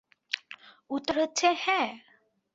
উত্তর হচ্ছে হ্যাঁ!